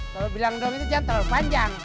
kalau bilang dong itu jangan terlalu panjang